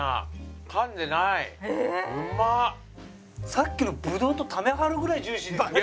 さっきのブドウとタメ張るぐらいジューシーですね。